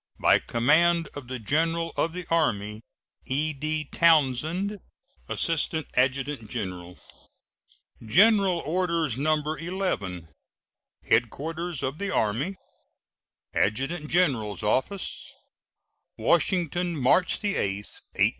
By command of the General of the Army: E.D. TOWNSEND, Assistant Adjutant General. GENERAL ORDERS, No. 11. HEADQUARTERS OF THE ARMY, ADJUTANT GENERAL'S OFFICE, Washington, March 8, 1869.